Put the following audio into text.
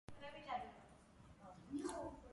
დებო გადამფრენი ფრინველების გაჩერების მთავარი ადგილია.